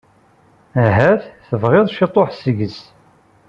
Ahat tebɣiḍ ciṭuḥ seg-s.